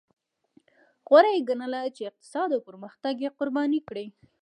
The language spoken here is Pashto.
غوره یې ګڼله چې اقتصاد او پرمختګ یې قرباني کړي.